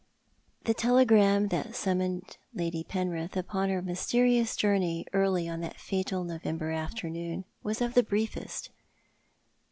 The telegram that had summoned Lady Penrith upon her mysterious journey early on that fatal Kovember afternoon was of the briefest.